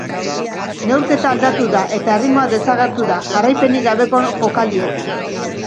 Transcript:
Neurketa aldatu da eta erritmoa desagertu da, jarraipenik gabeko jokaldiekin.